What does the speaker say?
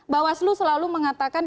bawaslu selalu mengatakan